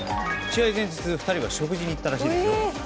試合前日、２人は食事に行ったらしいですよ。